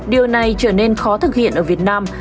điều này trở nên khó thực hiện ở việt nam